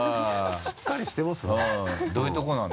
しっかりしてますな。